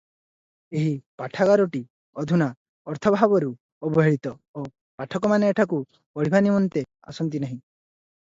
ଏହି ପାଠାଗାରଟି ଅଧୁନା ଅର୍ଥାଭାବରୁ ଅବହେଳିତ ଓ ପାଠକମାନେ ଏଠାକୁ ପଢ଼ିବା ନିମନ୍ତେ ଆସନ୍ତି ନାହିଁ ।